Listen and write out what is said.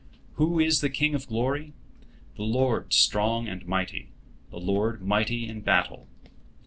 Who is the King of glory? The Lord strong and mighty, the Lord mighty in battle."